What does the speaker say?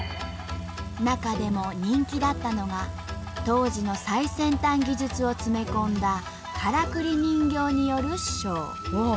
中でも人気だったのが当時の最先端技術を詰め込んだからくり人形によるショー。